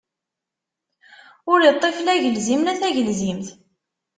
Ur iṭṭif la agelzim, la tagelzimt.